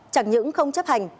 chẳng những không chấp hành